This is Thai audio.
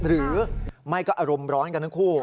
หรือไม่ก็อารมณ์ร้อนกันทั้งคู่